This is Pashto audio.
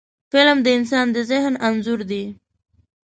فلم د انسان د ذهن انځور دی